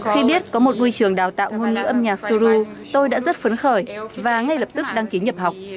khi biết có một ngôi trường đào tạo ngôn ngữ âm nhạc sô lô tôi đã rất phấn khởi và ngay lập tức đăng ký nhập học